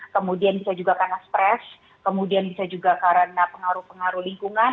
kemudian bisa juga karena stres kemudian bisa juga karena pengaruh pengaruh lingkungan